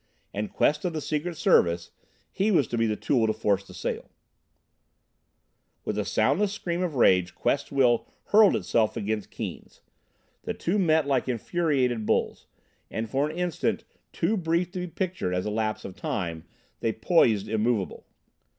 And Quest of the Secret Service he was to be the tool to force the sale. With the soundless scream of rage Quest's will hurled itself against Keane's. The two met like infuriated bulls, and for an instant too brief to be pictured as a lapse of time they poised immovable.